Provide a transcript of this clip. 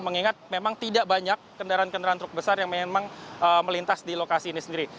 mengingat memang tidak banyak kendaraan kendaraan truk besar yang memang melintas di lokasi ini sendiri